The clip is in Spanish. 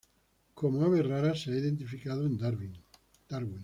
Como ave rara se ha identificado en Darwin.